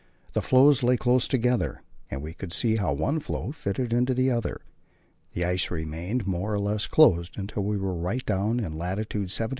The floes lay close together, and we could see how one floe fitted into the other. The ice remained more or less close until we were right down in lat. 73°S.